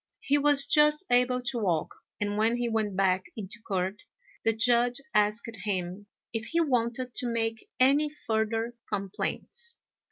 He was just able to walk, and when he went back into court, the Judge asked him if he wanted to make any further complaints.